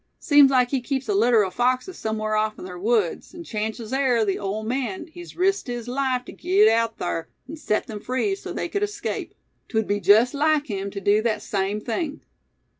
"Seems like he keeps a litter o' foxes sumwhar off in ther woods; an' chances air the ole man, he's risked his life tew git out thar, an' set 'em free so's they cud 'scape. 'Twud be jest like him tew dew thet same thing."